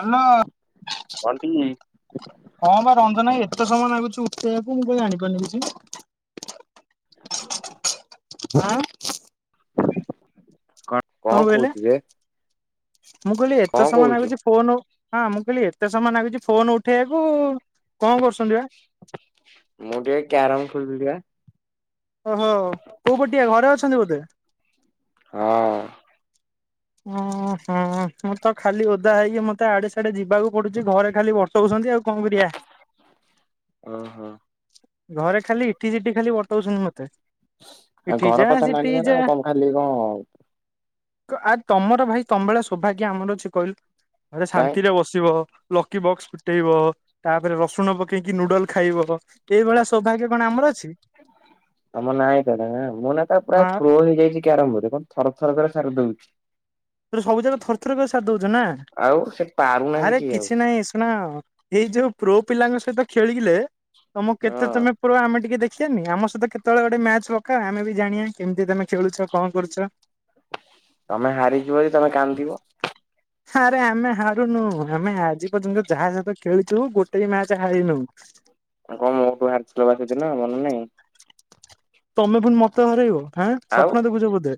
ହଁ କଣ ବଣ୍ଟି ବା ରଞ୍ଜନ ଭାଇ ଏତେ ସମୟ ନାଗୁଛୁ ସେଇଆକୁ ମୁଁ କଣ ଜାଣିପାରୁନି କିଛି? [inaudible] ଆଁ କଣ କଣ କହୁଛୁ ଯେ? ମୁଁ କହିଲି ଏତେ କଣ ସମୟ କହୁଛୁ ନାଗୁଛି ଫୋନ ଉ ହଁ -ମୁଁ କହିଲି ଏତେ ସମୟ ନାଗୁଛି ଫୋନ ଉଠେଇବାକୁ, କଣ କରୁଛନ୍ତି ବା? ମୁଁ ଟିକେ କ୍ୟାରମ ଖେଳୁଥିଲି ବା। ଓ ହୋ କୋଉ ପଟିଆ, ଘରେ ଅଛନ୍ତି ବୋଧେ? ହଁ। ଓ- ହଁ- ମୁଁ ତ ଖାଲି ଓଦା ହେଇକି ମତେ ଆଡେ ସାଡେ ଯିବାକୁ ପଡୁଛି। ଘରେ ଖାଲି ବର୍ କହୁଛନ୍ତି ଆଉ କଣ କରିଆ। ଓହୋ। ଘରେ ଖାଲି ଇଠି ସେଠି ଖାଲି ପଠଉଛନ୍ତି ମତେ। ଆଉ ଇଠି ଘର ଯା କଥା ସିଠି ମାନିବ ଯା ନା ଆଉ, କଣ ଖାଲି କଣ ଆ ତମର ଭାଇ ତମଭଳିଆ ସୌଭାଗ୍ୟ ଆମର ଅଛି, କହିଲୁ ଘରେ କାଇଁ ଶାନ୍ତିରେ ବସିବ। ଲକି ବକ୍ସ ଫୁଟେଇବ, ତାପରେ ରସୁଣ ପକେଇକି ନୁଡଲ ଖାଇବ। ଏଇଭଳିଆ ସୌଭାଗ୍ୟ କଣ ଆମର ଅଛି? ତମ ନାଁ, [unintelligible] ମୋ ନାଁ ତ ପୁରା ନା ପ୍ରୋ ହେଇଯାଇଛି କ୍ୟାରେମ୍ ରେ, ଦେଖୁନୁ ଥର ଥରକୁରେ ସାରି ଦଉଛି। ତୁ ସବୁ ଯାକ ଥରଥର କରେ ସାରି ଦଉଛୁ ନା। ଆଉ ସେ ପାରୁନାହାନ୍ତି ଆରେ କେହି ଆଉ କିଛି ନାହିଁ ଶୁଣ, ଏଇ ଯୋଉ ପ୍ରୋ ପିଲାଙ୍କ ସହିତ ଖେ ଖେଳିଲେ ତମ, ହଁ କେତେ ତମେ ପ୍ରୋ ଆମେ ଟିକେ ଦେଖ ଆନି। ଆମ ସହିତ କେତେବେଳେ ଗୋଟେ ମ୍ୟାଚ ପକା, ଆମେ ବି ଜାଣିଆ କେମିତି ତମେ ଖେଳୁଛ କଣ କରୁଛ? ତମେ ହାରିଯିବ ଯଦି ତମେ କାନ୍ଦିବ। ଆରେ ଆମେ ହାରୁନୁ, ଆମେ ଆଜି ପର୍ଯ୍ୟନ୍ତ ଯାହା ସହିତ ଖେଳୁଥିବୁ ଗୋଟେ ବି ମ୍ୟାଚ ହାରିନୁ। କଣ ମୋ ଠୁ ହାରିିଥିଲ ବା ସେଦିନ, ମନେ ନାହିଁ। ତମେ ପୁଣି ମତେ ହରେଇବ ଆଁ, ଆଉ ସ୍ୱପ୍ନ ଦେଖୁଛ ବୋଧେ?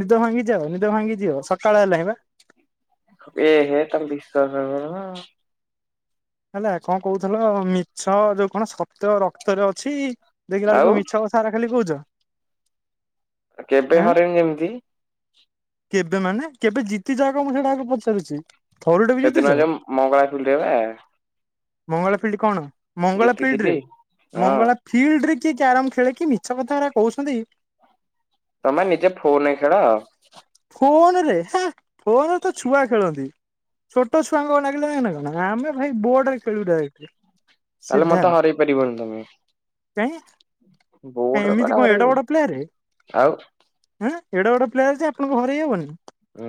ନିଦ ଭାଙ୍ଗି ଯାଅ, ନିଦ ଭାଙ୍ଗି ଦିଅ ସକାଳ ହେଲାଣି ବା। ଏ ହେ ତମେ ବିଶ୍ୱାସ କରୁନ ଆଉ। ହେଲା କଣ କହୁଥିଲ, ମିଛ ଯୋଉ କଣ ସତ୍ୟ ରକ୍ତରେ ଅଛି। ଦେଖିଲା ଆଉ ବେଳକୁ ମିଛ କଥା ଗୁରା ଖାଲି କହୁଛ। ଆ କେବେ ଆଁ ହରେଇନି ଯେମିତି। କେବେ ମାନେ, କେବେ ଜିତିଚ ଆଗ ମୁଁ ସେଇଟା ଆଗ ପଚାରୁଛି? ଥରୁଟେ ବି ଜିତିଛ ସେଦିନ ଯୋଉ ମଙ୍ଗଳା ଫିଲ୍ଡରେ ବା। ମଙ୍ଗଳା ଫିଲ୍ଡ କଣ, ମଙ୍ଗଳା ଫିଲ୍ଡରେ ଜିତିଥିଲି ହଁ। ମଙ୍ଗଳା ଫିଲ୍ଡ ରେ ଳିକି କ୍ୟାରମ ଖେଳିକି ମିଛ କଥା ଗୁରା କହୁଛନ୍ତି। ତମେ ନିଜେ ଫୋନରେ ଖେଳ। ଫୋନରେ ହେ ଫୋନରେ ତ ଛୁଆ ଖେଳନ୍ତି। ଛୋଟ ଛୁଆଙ୍କ ନାଗିଲା ନା କଣ, ଆମେ ଭାଇ ବୋର୍ଡ ରେ ଖେଳିବୁ ଡାଇରେକ୍ଟ। ତାହେଲେ ସିଧା ମତେ ହରେଇ ପାରିବନି ତମେ। କାଇଁ। ବୋର୍ଡରେ ଏମିତି କୁଆଡେ କଣ ଏଡେ ହରେଇବୁ ବଡ ପ୍ଲେୟରେ ଆଉ ଆଁ। ଏଡେ ବଡ଼ ପ୍ଲେୟାର ଯେ, ଆପଣଙ୍କୁ ହରେଇ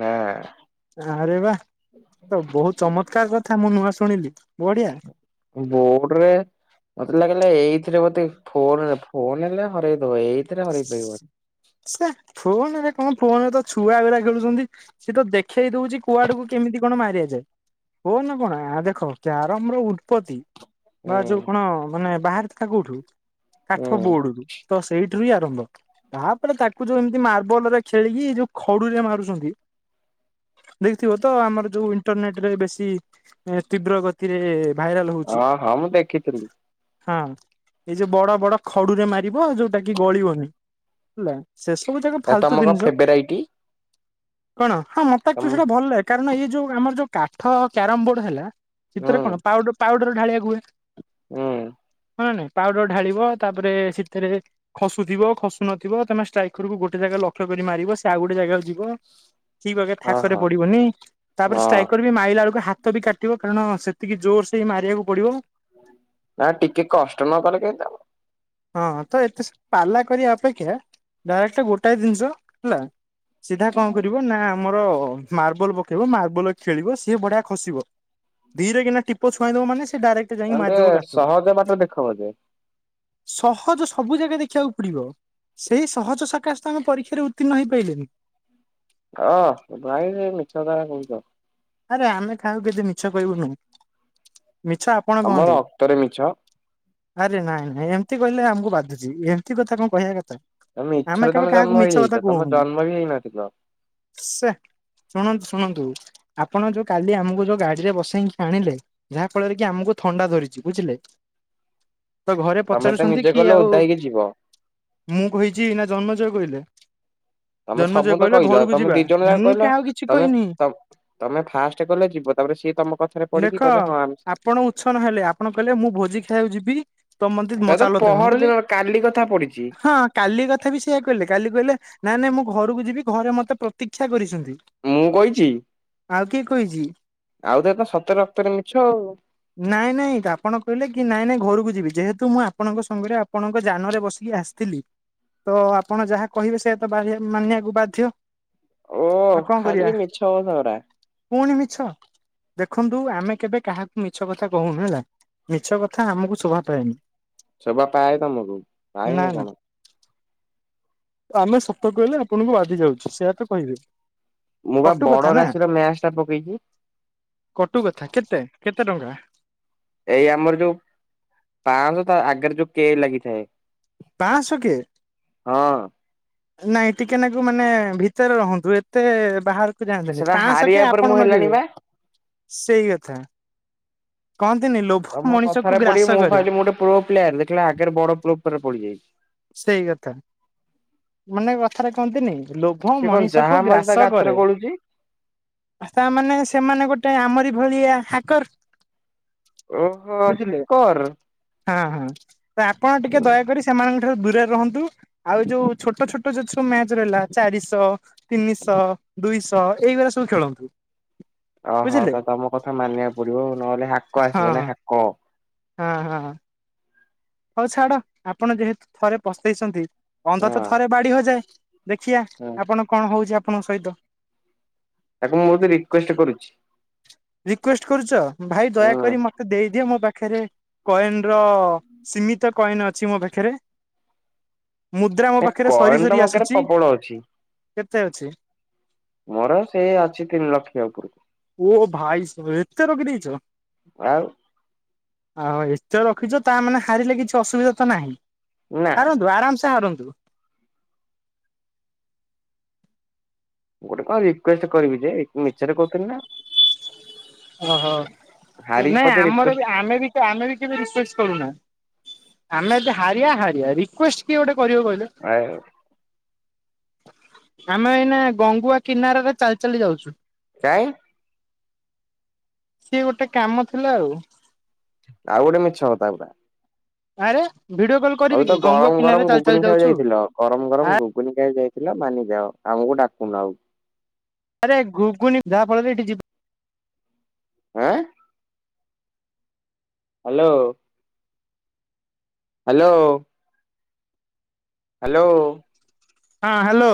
ନା ଆରେ ବା ତ ବହୁତ ଚମତ୍କାର କଥା, ମୁଁ ନୂଆ ଶୁ ଣିଲି ବଢିଆ। ବୋର୍ଡରେ ମତେ ଲାଗିଲା ଏଇଥିରେ ବୋଧେ, ଫୋନରେ ଫୋନ ହେଲେ ହରେଇ ଏଇଥିରେ ପାରିବନି। ସେ ଫୋନରେ କଣ ଫୋନରେ ତ ଛୁଆ ଗୁରା ଖେଳୁଛନ୍ତି, ସିଏ ତ ଦେଖେଇ ଦଉଛି କୁଆଡୁକୁ କେମିତି କଣ ମାରିଆ ଯାଏ। ଫୋନ୍ କଣ ଆ ଦେଖ କ୍ୟାରମର ଉତ୍ପତି ବା ହୁଁ ଯୋଉ କଣ ମାନେ ବାହାରି ଥିଲା କୋଉଠୁ, କାଠ ହୁଁ ବୋର୍ଡରୁ। ତ ସେଇ ଥିରୁ ହିଁ ଆରମ୍ଭ, ତାପରେ ତାକୁ ଯୋଉ ଏମିତି ମାର୍ବଲରେ ଖେଳିକି ଯୋଉ ଖଡୁରେ ମାରୁଛନ୍ତି। ଦେଖିଥିବ ତ ଆମର ଯୋଉ ଇଣ୍ଟରନେଟ ରେ ବେଶୀ ତୀବ୍ର ଗତିରେ ଭାଇରାଲ ହଉଚି ହଁ ହଁ ମୁଁ ଦେଖିଥିଲି। ହଁ। ଏଇ ଯୋଉ ବଡ ବଡ ଖଡୁରେ ମାରିବ ଯୋଉଟା କି ଗଳିବନି ହେଲା। ସେ ସବୁ ଯାକ ଆଉ ତମ ଫାଲତୁ କଣ ଜିନିଷ। ଫେବରାଇଟି କଣ ହଁ ମତେ ତମ ଆକଚୁଆଲି ସେଇଟା ଭଲ ଲାଗେ। କାରଣ ଏଇ ଯୋଉ ଆମର ଯୋଉ କାଠ କ୍ୟାରମ ବୋର୍ଡ ହେଲା। ହୁଁ ସେଥିରେ କଣ ପାଉ ପାଉଡର ଢାଳିବାକୁ ହୁଏ। ହୁଁ। ହଁ ନା ନାଇଁ ପାଉଡର ଢାଳିବ। ତାପରେ ସେଥିରେ ଖସୁଥିବ ଖସୁ ନଥିବ ତମେ ଷ୍ଟ୍ରାଇକରକୁ ଗୋଟେ ଜାଗା ଲକ୍ଷ କରି ମାରିବ। ସେ ଆଉ ଗୋଟେ ଜାଗାରେ ଯି ବ ଠିକ ବାଗରେ ହଁ ଥାକରେ ହଁ। ପଡିବନି। ତାପରେ ହଁ ଷ୍ଟ୍ରାଇକର ବି ମାଇଲା ବେଳକୁ ହା ହାତ ବି କାଟିବ କାରଣ ସେତିକି ଜୋର ସେ ମାରିବାକୁ ପଡିବ। ନା ଟିକେ କଷ୍ଟ ନ କଲେ କେମିତି ହଁ ତ ଏତେ ହବ। ସବୁ ପାଲା କରିବା ଅପେକ୍ଷା ଡାଇରେକ୍ଟ ଗୋଟାଏ ଜିନିଷ ହେଲା ସିଧା କଣ କରିବ। ନା ଆମର ମାର୍ବଲ ପକେଇବ ମାର୍ବଲ ଖେଳିବ ସିଏ ବଢିଆ ଖସିବ। ଧିରେ କିନା ଟିପ ଛୁଆଇଁଦବ ମାନେ ସି ଡାଇରେକ୍ଟେ ଜାଇଁକି ତମେ ମାରିଦବ ଟିକେ ଗାତକୁ। ସହଜ ବାଟ ଦେଖ ବୋଧେ ସହଜ ସ ସବୁ ଜାଗା ଦେଖିବାକୁ ପଡିବ। ସେଇ ସହଜ ସକାଶେ ତାଙ୍କ ପରୀକ୍ଷାରେ ଉତ୍ତୀର୍ଣ୍ଣ ହେଇପାରିଲେନି। ଅଁ ଭାଇ କାଇଁ ମିଛ କାଇଁ କହୁଚ। ଆରେ ଆମେ କାହାକୁ କେବେ ମିଛ କହିବୁନୁ। ମିଛ ଆପଣ ତମ କହନ୍ତି। ରକ୍ତରେ ମିଛ। ଆରେ ନାଇଁ ନାଇଁ ଏମ ଏମତି କହିଲେ ଆମକୁ ବାଧୁଚି। ଏମିତି କଥା କଣ କହିବା କଥା। ତମ ଆମେ ଇଚ୍ଛାରେ କେବେ ତମେ କାହାକୁ ଜନ୍ମ ମିଛ କଥା ହେଇଯାଇଚ। ତମେ କହୁନୁ ଜନ୍ମ ହିଁ ହେଇନଥିଲିବ। ସେ ଶୁଣନ୍ତୁ ଶୁଣନ୍ତୁ। ଆପଣ ଯୋଉ କାଲି ଆମକୁ ଯୋଉ ଗାଡିରେ ବସେଇକି ଆଣିଲେ। ଯାହା ଫଳରେ କି ଆମକୁ ଥଣ୍ଡା ଧରିଚି ବୁଝିଲେ? ତ ଘରେ ତମେ ତ ପଚାରୁଛନ୍ତି ନିଜେ କି କହିଲ ଆଉ। ଓଦା ହେଇକି ଯିବ ମୁଁ କହିଛି ନା ଜନ୍ମଜୟ କହିଲେ? ତମେ ଜନ୍ମଜୟ ସବୁ ତ କହିଲା କହିଲ ଘରକୁ ତମେ ଯିବା। ଦି ଜଣ ଯାକ ମୁଁ କହିଲ କହାକୁ କିଛି ତମେ କହିନି। ତ ତମେ ଫାଷ୍ଟ କହିଲ ଯିବ ତାପରେ ସିଏ ତମ କଥାରେ ପଡିକି ଦେଖ କହିଲେ ହଁ ଆମେ ଆପଣ ଉଛନ ହେଲେ। ଆପଣ କହିଲେ ମୁଁ ଭୋଜି ଖାଇବାକୁ ଯିବି ତ ମତେ ମ ଏରା ତ ଚାଲ ତମେ। ମୁଁ ପହର କହିଲି ଦିନ କାଲି କଥା ପଡିଛି ହଁ କାଲି କଥା ବି ସେଇଆ କହି କାଲି କହିଲେ ନାଇଁ ନାଇଁ ମୁଁ ଘରକୁ ଯିବି। ଘରେ ମତେ ପ୍ରତୀକ୍ଷା କରିଛନ୍ତି। ମୁଁ କଇଚି। ଆଉ କିଏ କହିଛି। ସତରେ ରକ୍ତରେ ମିଛ ଆଉ। ନାଇଁ ନାଇଁ ଆପଣ କହିଲେ କି ନାଇଁ ନାଇଁ ଘରକୁ ଯିବି। ଯେହେତୁ ମୁଁ ଆପଣଙ୍କ ସଙ୍ଗରେ ଆପଣଙ୍କ ଯାନରେ ବସିକି ଆସିଥିଲି। ତ ଆପଣ ଯାହା କହିବେ ସେଆଇ ତ ବାଳିଆ ମାନିବାକୁ ବାଧ୍ୟ। ଓ ଆଉ କଣ କରିବା ଖାଲି ମିଛ କଥାଉରା। ପୁଣି ମିଛ। ଦେଖନ୍ତୁ ଆମେ କେବେ କାହାକୁ ମିଛ କଥା କହୁନୁ ହେଲା। ମିଛ କଥା ଆମକୁ ଶୋଭା ପାଏନି। ଶୋଭା ପାଏ ତମକୁ ନା ପାଏନି ନା କଣ? ଆମେ ସତ କହିଲେ ଆପଣଙ୍କୁ ବାଧି ଯାଉଚି। ସେଇଆ ତ କହିବେ। ମୁଁ ବା କଟୁ କଥା ବଡ ନା ରାଶିର ମ୍ୟାଚ ଟା ପକେଇଛି କଟୁ କଥା କେତେ କେତେ ଟଙ୍କା। ଏଇ ଆମର ଯୋଉ ପାଞ୍ଚଶହ ଆଗରେ ଯୋଉ କେ ଲାଗିଥାଏ। ପାଆଁଶ କେ। ହଁ ନାଇଁ ଟିକେନାକୁ ମାନେ ଭିତରେ ରହନ୍ତୁ। ଏତେ ବାହାର କୁ ଯାଆନ୍ତୁନି। ସେଟା ପାଞ୍ଚଶହ କେ ହାରିବା ଉପରେ ଆପଣ ମୁଁ ହେଲାଣି ଲଗେଇବେ ବା ସେଇ କଥା। କହନ୍ତିନି ଲୋଭ ତମ ମଣିଷକୁ କଥାରେ ଗ୍ରାସ ପଡିକି ମୁଁ କରେ ଖାଲି ଗୋଟେ ପ୍ରୋ ପ୍ଲେୟାର ଦେଖିଲେ ଆଗରେ ବଡ ପ୍ରୋ୍ପ ରେ ପଡିଯାଇଚି। ସେଇ କଥା ମାନେ କଥରେ କହନ୍ତିନି। ଲୋଭ ସେ କଣ ଯାହା ମଣିଷକୁ ମାରୁଛି ତା ଗ୍ରାସ ଗାତରେ କରେ। ଗଳୁଛି ତାମାନେ ସେମାନେ ଗୋଟେ ଆମରି ଭଳିଆ ହାକର। ଓହୋ ବୁଝିଲେ ହାକର। ହଁ ହଁ ତ ଆପଣ ଟିକେ ଦୟାକରି ସେମାନଙ୍କ ଠାରୁ ଦୂରରେ ରହନ୍ତୁ ଆଉ ଯୋଉ ଛୋଟ ଛୋଟ ଯଉ ସବୁ ମ୍ୟାଚ ରହିଲା ଚାରିଶହ ତିନିଶହ ଦୁଇଶହ ଏଇଭଳି ସବୁ ଖେଳନ୍ତୁ। ଓହୋ ବୁଝିଲେ ତ ତମ କଥା ମାନିବାକୁ ପଡିବ ନହେଲେ ହାକ ଆସିବ ହଁ ନା ହାକ ହଁ ହଁ। ହଉ ଛାଡ ଆପଣ ଯେହେତୁ ଥରେ ପସେଇଛନ୍ତି ହଁ ଅନ୍ଧ ତ ଥରେ ବାଡି ହଯାଏ। ଦେଖଆ ହଁ। ଆପଣ କଣ ହଉଛି ଆପଣଙ୍କ ସହିତ। ତାକୁ ମୁଁ ବୋହୁତ୍ ରିକୁଏଷ୍ଟ୍ କରୁଛି। ରିକେଷ୍ଟ କରୁଛ ଭାଇ ହୁଁ ଦୟାକରି ମତେ ଦେଇଦିଅ ମୋ ପାଖରେ। ପାଖରେ କଏନ ର ସୀମିତ କଏନ ଅଛି ମୋ ପାଖରେ। ମୁଦ୍ରା ମୋ ନା ପାଖରେ ସରି କଏନ ତ ସରି ମୋ ପାଖରେ ଆସୁଛି ପ୍ରବଳ ଅଛି କେତେ ଅଛି? ମୋର ସେଇ ଅଛି ତିନି ଲକ୍ଷ ଉପରକୁ। ଓ ଭାଇ ସ ଏତେ ରଖି ଦେଇଛ। ଆଉ ଆଉ ଏତେ ରଖିଛ ତା ମାନେ ହାରିଲେ କିଛି ଅସୁବିଧା ତ ନାହିଁ। ନା ହାରନ୍ତୁ ଆରାମ ସେ ହାରନ୍ତୁ। ମୁଁ ଗୋଟେ କଣ ରିକୁଏଷ୍ଟ କରିବି ଯେ ମିଛରେ କହୁଥିଲି ନା। ଓହୋ ହାରିକି ନାଇଁ ପଛେ ଆମର ରିକ୍ୱେଷ୍ଟ ବି ଆମେ ବି ଆମେ ରିକୁଏଷ୍ଟେ ର କରୁନା। ଆମେ ଯଦି ହାରିବା ହାରିବା ରିକୁଏଷ୍ଟ କିଏ ଗୋଟେ କରିବ କହିଲେ। କାଇଁ ଆମେ ଏଇନା ଗଙ୍ଗୁଆ କିନାରରେ ଚାଲି ଚାଲି ଯାଉଛୁ। କାଇଁ। ସିଏ ଗୋଟେ କାମ ଥିଲା ଆଉ। ଆଉ ଗୋଟେ ମିଛ କଥା ପୁରା। ଆରେ ଭିଡିଓ କଲ୍ କରିବି ଆଉ ତ କି ଗଙ୍ଗୁଆ ଗରମ କିନାରାରେ ଗରମ ଚାଲି ଚାଲି ଗୁଗୁନି ଖାଇବା ଯାଉଛୁ। ଯାଇଥିଲ ଗରମ ଗରମ ଗୁଗୁନି ପାଇଁ ଯାଇ ଥିଲା ମାନିଯାଅ ଆମକୁ ଡାକୁନ ଆଉ। ଆରେ ରଗୁଘୁୁନି ଯାହା ପଳରେ ଏଠି ଯିବ ଆଁ। ହ୍ୟାଲୋ। ହାଲୋ। ହାଲୋ। ହଁ ହାଲୋ।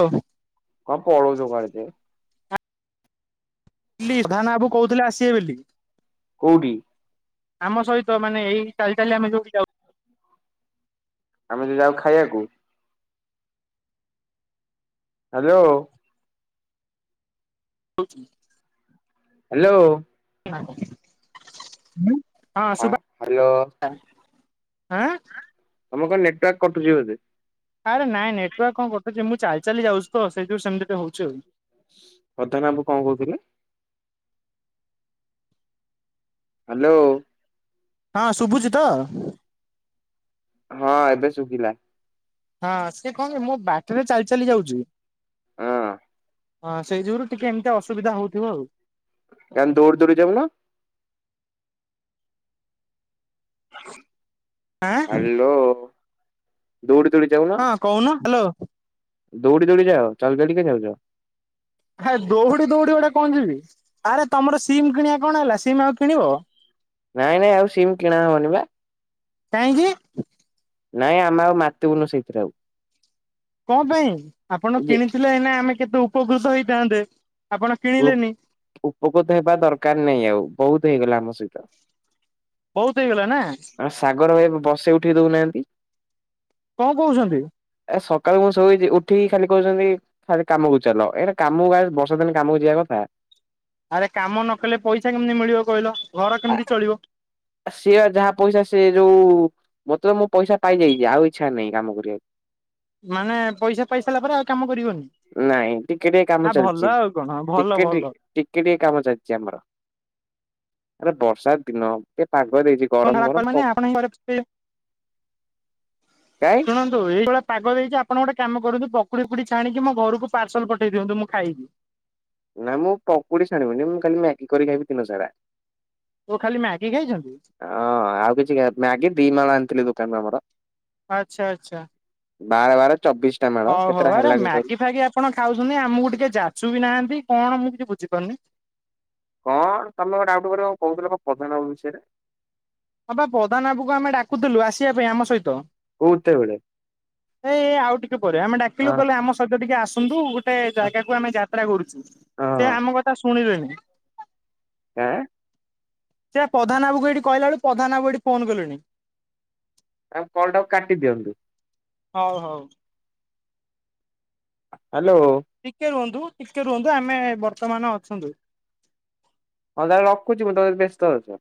କଣ ପଳଉଚ କୁଆଡ଼େ ଯେ? ଲିଭାନ୍ ବାବୁ କହୁଥିଲେ ଆସିବେ ବୋଲି। କୋଉଠି? ଆମ ସହିତ ମାନେ ଏଇ ଚାଲି ଚାଲି ଆମେ ଯୋଉଠି ଯାଉଛୁ। ଆମେ ଯ ଯାଉ ଖାଇବାକୁ। ଆଲୋ ହଁ। ହାଲୋ। ହଁ ହା ସୁଭା ହ୍ୟାଲୋ ଗଲା। ଆଁ ତମ କଣ ନେଟୱାର୍କ କଟୁଛି ବଧେ ଆରେ ନାଇଁ ନେଟୱାର୍କ କଣ କଟୁଛି ମୁଁ ଚାଲି ଚାଲି ଯାଉଛି ତ ସେଇଥିୁ ସେମିତି ହଉଛି ଆଉ ପ୍ରଧାନ ବାବୁ କଣ କହୁଥିଲେ। ହାଲୋ। ହଁ ଶୁଭୁଛି ତ? ହଁ ଏବେ ଶୁଭିଲା। ହଁ ସେ କଣ କି ମୋ ବାଟରେ ଚାଲି ଚାଲି ଯାଉଛି। ହଁ ହଁ ସେଇ ଯୋଗୁରୁ ଟିକେ ଏମିତି ଅସୁବିଧା ହଉଥିବ ଆଉ। କାଇଁ ଦୌଡ଼ି ଦୌଡି ଯାଉ ନ। ହ ହାଲୋ ଦୌଡି ଦୌଡି ଯାଉନ ହଁ କହୁନ, ହାଲୋ। ଦୌଡି ଦୌଡି ଯାଅ। ଚାଲ ଚାଲି କାଇଁ ଯାଉଚ। ହା ଦୌଡି ଦୌଡି ଗୋଟେ କଣ ଯିବି। ଆରେ ତୋମର ସିମ୍ କିଣିବା କଣ ହେଲା? ସିମ୍ ଆଉ କିଣିବ ନାଇଁ ନାଇଁ ଆଉ ସିମ୍ କିଣା ହବନି ବା। କାଇଁକି? ନାଇଁ ଆମେ ଆଉ ମାତିିବୁନୁ ସେଇଥିରେ ଆଉ। କଣ ପାଇଁ? ଆପଣ ଯେ କିଣିଥିଲେ ଏଇନା ଆମେ କେତେ ଉପକୃତ ହେଇଥାନ୍ତେ। ଆପଣ କିଣିଲେନି ଉ-ଉପକୃତ ହେବା ଦରକାର ନାହିଁ ଆଉ ବହୁତ ହେଇଗଲା ଆମ ସହିତ। ବହୁତ ହେଇଗଲା ନା? ଆ, ସାଗର ଭାଇ ବସେଇ ଉଠେଇ ଦଉନାହାନ୍ତି। କଣ କହୁଛନ୍ତି? ଏ ସକାଳୁ ମୁଁ ଶୋଇଚି ଉଠିକି ଖାଲି କହୁଛନ୍ତି ଖାଲି କାମକୁ ଚାଲ। ଏଇଟା କାମକୁ ଆ, ବର୍ଷା ଦିନ କାମକୁ ଯିବା କ ହଁ। ଆରେ କାମ ନ କଲେ ପଇସା କେମିତି ମିଳିବ କହିଲ? ଘର ଆ କେମିତି ଚଳିବ? ସିଏ ଯାହା ପଇସା ସିଏ ଯୋଉ ମୋତେ ତ ମୁଁ ପଇସା ପାଇଯାଇଚି। ଆଉ ଇଚ୍ଛା ନାହିଁ କାମ କରିବାକୁ। ମାନେ ପଇସା ପାଇସାରିଲା ପରେ ଆଉ କାମ କରିବନି ନାଇଁ ଟିକେ ଟିକେ ଆ କାମ ଭଲ ଚାଲିଚି। ଆଉ କଣ ଭଲ ଟିକେ ଟି ଭଲ ଟିକେ କାମ ଚାଲିଚି ଆମର। ଆରେ ବର୍ଷା ଦିନ ଏ [unintelligible] କର ମାନେ ଆପଣ ହିଁ ପରସ୍ତେଇବେ। ପକାଏ ଶୁଣନ୍ତୁ ଏଇଭଳିଆ ପାଗ ଦେଇଚି ଆପଣ ଗୋଟେ କାମ କରନ୍ତୁ ପକୁଡି ଫକୁଡି ଛାଣିକି ମୋ ଘରକୁ ପାର୍ସଲ୍ ପଠେଇ ଦିଅନ୍ତୁ ମୁଁ ଖାଇବି। ନା ମୁଁ ପକୁଡି ଛାଣିବିନି ମୁଁ ଖାଲି ମ୍ୟାଗି କରି ଖାଇବି ଦିନ ସାରା। ଅଁ, ଓ ଖାଲି ମ୍ୟାଗି ଖାଇଛନ୍ତି? ଆଉ କିଛି ଏ ମ୍ୟାଗି ଦି ମାମା ଆଣିଥିଲେ ଦୋ କାନରୁ ଆମର। ଆଚ୍ଛା, ଆଚ୍ଛା। ବାର ବାର ଚବିଶ ଟା ମେଳ ହଉ ହଉ କେତେଟା ଆରେ ହେଲାଣି କହିଲୁ? ମ୍ୟାଗି ଫେଗି ଆପଣ ଖାଉଛନ୍ତି ଆମକୁ ଟିକେ ଯାଚୁ ବି ନାହାନ୍ତି। କଣ ମୁଁ କିଛି ବୁଝିପାରୁନି। କଣ ତୋମେ [unintelligible] ଡାଉଟ କରିବ କହୁଥିଲ କଣ ପ୍ରଧାନ ବାବୁ ବିଷୟରେ? ହଁ ପା ପ୍ରଧାନ ବାବୁକୁ ଆମେ ଡାକୁଥିଲୁ ଆସିବା ପାଇଁ ଆମ ସହିତ। କୋଉତେବେଳେ ଏଇ ଆଉ ଟିକେ ପରେ ଆମେ ଡାକିଲୁ ହଁ କହିଲୁ ଆମ ସହିତ ଟିକେ ଆସନ୍ତୁ ଗୋ ଟେ ହଁ ଜାଗାକୁ ଆମେ ଯାତ୍ରା କରୁଛୁ। ସେ ହଁ ଆମ କଥା ଶୁଣିଲେନି। ଆଁ? ସେ ପ୍ରଧାନ ବାବୁକୁ ଏଇଠି କହିଲା ବେଳୁ ପ୍ରଧାନ ବାବୁ ଏଠି ଫୋନ୍ କଲେଣି। ଆଉ କଲ୍ ଟାକୁ କାଟି ଦିଅନ୍ତୁ। ହଉ ହଉ। ହ୍ୟାଲୋ ଟିକେ ରୁହନ୍ତୁ, ଟିକେ ରୁହନ୍ତୁ, ଆମେ ବର୍ତ୍ତମାନ ଅଛନ୍ତି। ହଁ ତାହେଲେ ରଖୁଚି। ମୁଁ ତୋମେ ଯଦି ବ୍ୟସ୍ତ ଅଛ।